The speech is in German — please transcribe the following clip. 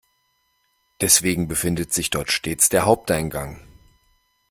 Deswegen befindet sich dort stets der Haupteingang.